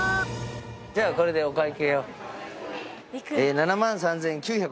じゃあこれでお会計を。